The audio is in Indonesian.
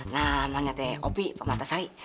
namanya teh opi pak matasari